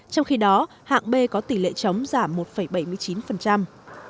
trong khi đó hạng b có tỷ lệ chống giảm một bảy mươi chín